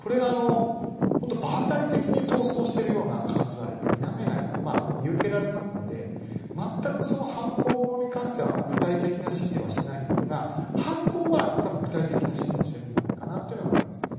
本当に場当たり的に逃走しているような感じが否めないように見受けられますので全く犯行方に関しては具体的な指示はしてないんですが犯行は具体的な指示はしているんじゃないかと思います。